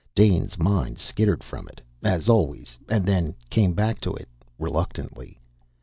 Dane's mind skittered from it, as always, and then came back to it reluctantly.